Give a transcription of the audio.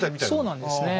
そうなんですね。